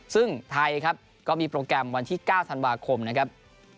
ซึ่งไทยครับก็มีโปรแกรมวันที่๙ธันวาคมนะครับ